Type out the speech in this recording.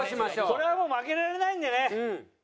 これはもう負けられないんでね